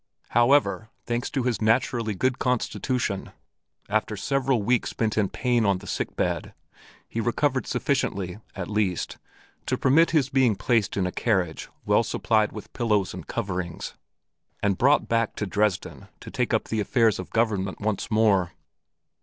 However, thanks to his naturally good constitution, after several weeks spent in pain on the sick bed, he recovered sufficiently, at least, to permit his being placed in a carriage well supplied with pillows and coverings, and brought back to Dresden to take up the affairs of government once more.